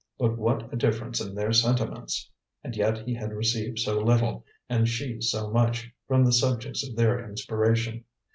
But what a difference in their sentiments! And yet he had received so little, and she so much, from the subjects of their inspiration.